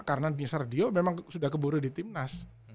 karena nizar dio memang sudah keburu di timnas